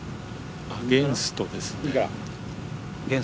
アゲンストですね。